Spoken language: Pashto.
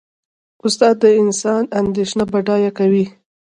استاد د انسان اندیشه بډایه کوي.